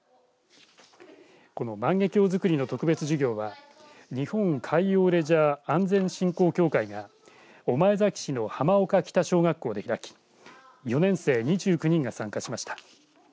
この万華鏡づくりの特別授業は日本海洋レジャー安全・振興協会が御前崎市の浜岡北小学校で開き４年生、２９人が参加しました。